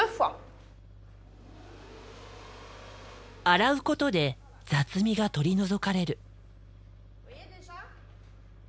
洗うことで雑味が取り除かれる。